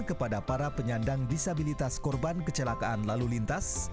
kepada para penyandang disabilitas korban kecelakaan lalu lintas